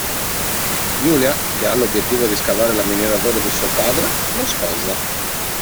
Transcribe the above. Julia, che ha l'obiettivo di scavare la miniera d'oro di suo padre, lo sposa.